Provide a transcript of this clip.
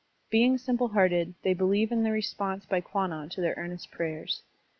Being simple hearfeed, they believe in the response by Kwan non to their earnest prayers.